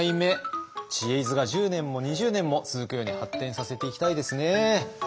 「知恵泉」が１０年も２０年も続くように発展させていきたいですね。